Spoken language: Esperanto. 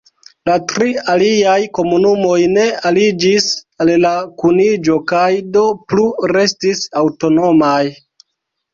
La tri aliaj komunumoj ne aliĝis al la kuniĝo kaj do plu restis aŭtonomaj.